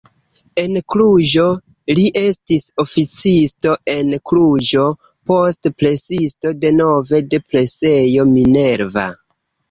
En Kluĵo li estis oficisto en Kluĵo, poste presisto denove de presejo Minerva.